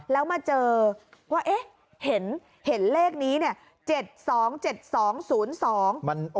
แล้วมาเจอว่าเห็นเลขนี้เนี่ย